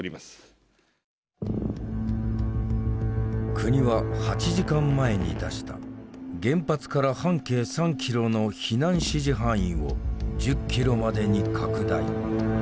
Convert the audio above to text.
国は８時間前に出した原発から半径３キロの避難指示範囲を１０キロまでに拡大。